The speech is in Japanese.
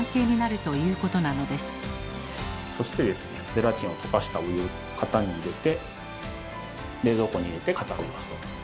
ゼラチンを溶かしたお湯を型に入れて冷蔵庫に入れて固めます。